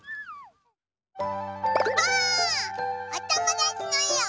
おともだちのえを。